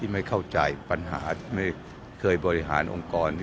ไม่เข้าใจปัญหาไม่เคยบริหารองค์กร